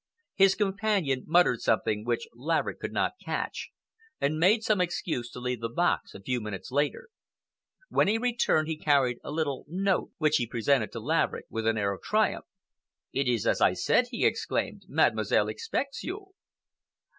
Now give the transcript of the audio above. His companion muttered something which Laverick could not catch, and made some excuse to leave the box a few minutes later. When he returned, he carried a little, note which he presented to Laverick with an air of triumph. "It is as I said!" he exclaimed. "Mademoiselle expects you."